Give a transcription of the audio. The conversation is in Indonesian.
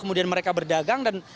kemudian mereka berdagang dan